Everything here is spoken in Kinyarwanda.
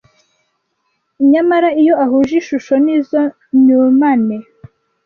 Nyamara iyo ahuje ishusho n’izo nyumane